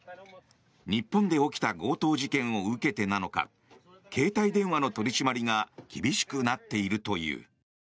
日本で起きた強盗事件を受けてなのか携帯電話の取り締まりが厳しくなっているという。